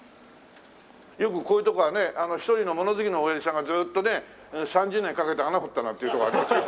よくこういうとこはね一人のもの好きのおやじさんがずっとね３０年かけて穴掘ったなんていうとこありますけど。